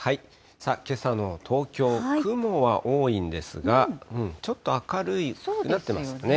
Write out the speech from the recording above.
けさの東京、雲は多いんですが、ちょっと明るくなってますね。